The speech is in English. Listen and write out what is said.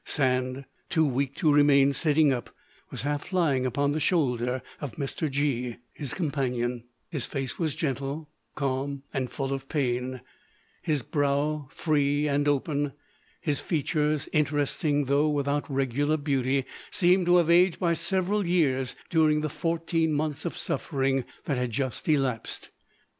Sand, too weak to remain sitting up, was half lying upon the shoulder of Mr. G—— , his companion; his face was gentle, calm and full of pain; his brow free and open, his features, interesting though without regular beauty, seemed to have aged by several years during the fourteen months of suffering that had just elapsed.